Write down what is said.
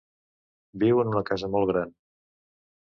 Viu en una casa molt gran.